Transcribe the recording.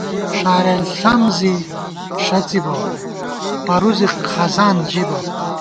ݭارېل ݪم زی ݭَڅی بہ ، پروزِک خزان ژِبہ